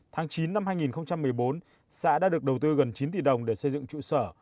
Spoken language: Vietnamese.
tháng chín năm hai nghìn một mươi bốn xã đã được đầu tư gần chín tỷ đồng để xây dựng trụ sở